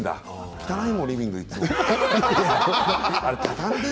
汚いもん、リビングいつも。